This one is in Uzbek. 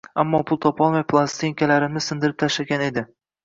ammo pul topolmay plastinkalarimni sindirib tashlagan edi.